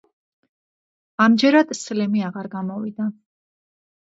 ამჯერად სლემი აღარ გამოვიდა.